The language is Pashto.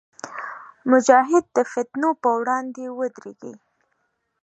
مجاهد د فتنو پر وړاندې ودریږي.